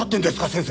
先生。